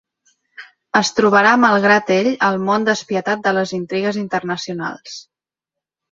Es trobarà malgrat ell al món despietat de les intrigues internacionals.